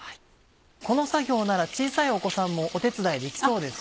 この作業なら小さいお子さんもお手伝いできそうですね。